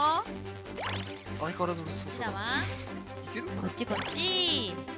こっちこっち。